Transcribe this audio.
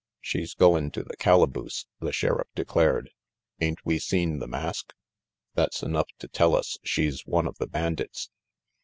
"She's goin' to the calaboose," the Sheriff declared. "Ain't we seen the mask? That's enough to tell us she's one of the bandits."